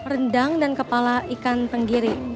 rendang dan kepala ikan tenggiri